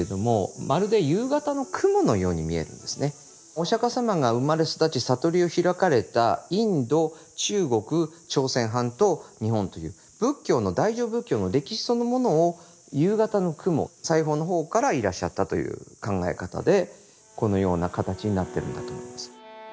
お釈様が生まれ育ち悟りを開かれたインド中国朝鮮半島日本という仏教の大乗仏教の歴史そのものを夕方の雲西方の方からいらっしゃったという考え方でこのような形になってるんだと思います。